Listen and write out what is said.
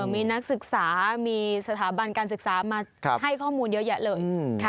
มีนักศึกษามีสถาบันการศึกษามาให้ข้อมูลเยอะแยะเลย